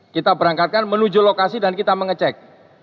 kita berangkatkan menuju lokasi dan kita mengecek